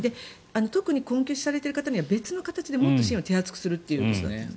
特に困窮されている方には別の形でもっと支援を手厚くするという。